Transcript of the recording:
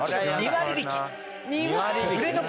２割引き。